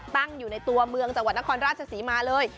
ตั้งอยู่ในตัวเมืองจังหวัดนครราชศรีมาเลย